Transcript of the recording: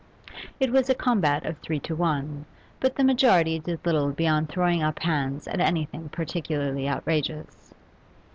It was a combat of three to one, but the majority did little beyond throwing up hands at anything particularly outrageous.